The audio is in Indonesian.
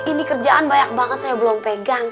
ini kerjaan banyak banget saya belum pegang